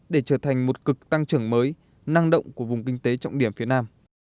để trở thành một cực tăng trưởng mới năng động của vùng kinh tế trọng điểm phía nam